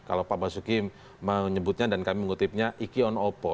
kalau pak basuki menyebutnya dan kami mengutipnya iki on opo